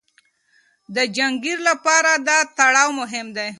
د حنکير لپاره دا تړاو مهم دی.